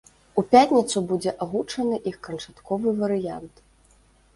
У пятніцу будзе агучаны іх канчатковы варыянт.